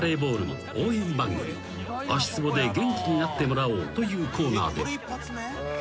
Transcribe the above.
［足つぼで元気になってもらおうというコーナーで］